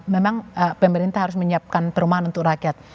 memang pemerintah harus menyiapkan perumahan untuk rakyat